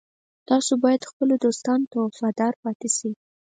تاسو باید خپلو دوستانو ته وفادار پاتې شئ